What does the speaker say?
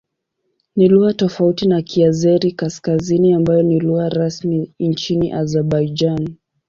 Ni lugha tofauti na Kiazeri-Kaskazini ambayo ni lugha rasmi nchini Azerbaijan.